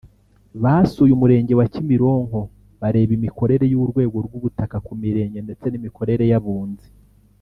basuye Umurenge wa Kimironko bareba imikorere y’urwego rw’ubutaka ku mirenge ndetse n’imikorere y’abunzi